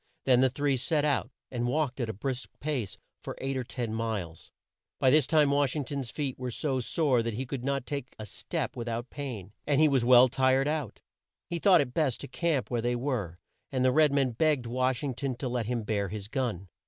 Then the three set out, and walked at a brisk pace for eight or ten miles. By this time Wash ing ton's feet were so sore that he could not take a step with out pain, and he was well tired out. He thought it best to camp where they were, and the red man begged Wash ing ton to let him bear his gun.